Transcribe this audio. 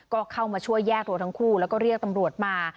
ก็เข้ามาช่วยแยกตัวทั้งคู่แล้วก็เรียกตำรวจมา